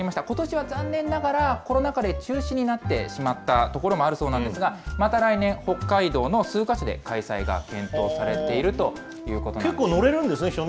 ことしは残念ながら、コロナ禍で中止になってしまった所もあるそうなんですが、また来年、北海道の数か所で、開催が検討されているということなんですね。